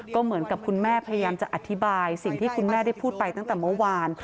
ก็เหมือนกับคุณแม่พยายามจะอธิบายสิ่งที่คุณแม่ได้พูดไปตั้งแต่เมื่อวาน